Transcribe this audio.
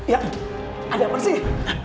ya ada apa sih